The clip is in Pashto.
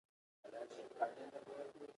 بزګري او مالداري په لومړي سر کې ساده وې.